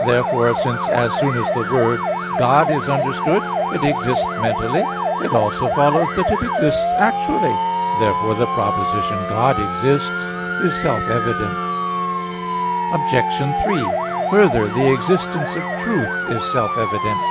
Therefore, since as soon as the word "God" is understood it exists mentally, it also follows that it exists actually. Therefore the proposition "God exists" is self evident. Obj. 3: Further, the existence of truth is self evident.